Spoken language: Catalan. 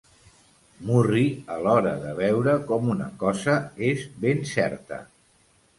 Murri a l'hora de veure com una cosa és ben certa.